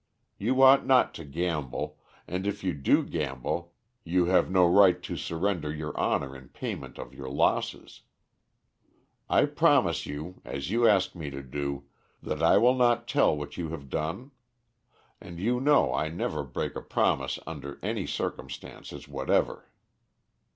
You ought not to gamble, and if you do gamble you have no right to surrender your honor in payment of your losses. I promise you, as you ask me to do, that I will not tell what you have done; and you know I never break a promise under any circumstances whatever.